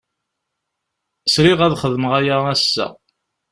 Sriɣ ad xedmeɣ aya ass-a.